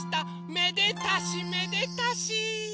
めでたしめでたし！